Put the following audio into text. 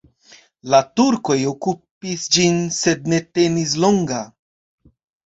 La turkoj okupis ĝin, sed ne tenis longa.